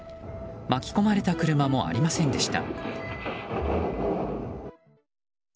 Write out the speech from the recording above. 巻き込まれた車もありませんでした。